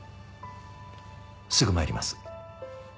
すぐ参ります。